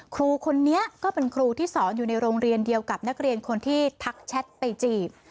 ครูคนนี้ก็เป็นครูที่สอนอยู่ในโรงเรียนเดียวกับนักเรียนคนที่ทักแชทไปจีบ